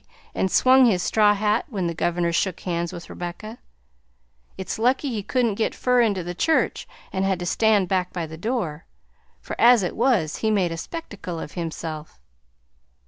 and swung his straw hat when the governor shook hands with Rebecca. It's lucky he couldn't get fur into the church and had to stand back by the door, for as it was, he made a spectacle of himself.